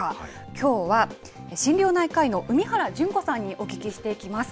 きょうは、診療内科医の海原純子さんにお聞きしていきます。